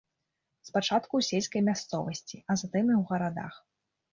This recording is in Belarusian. Спачатку ў сельскай мясцовасці, а затым і ў гарадах.